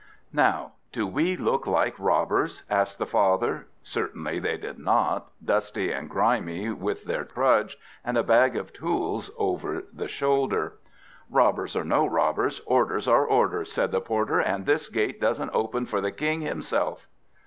"Now, do we look like robbers?" asked the father. Certainly they did not, dusty and grimy with their trudge, and a bag of tools over the shoulder. "Robbers or no robbers, orders are orders," said the porter, "and this gate doesn't open for the King himself."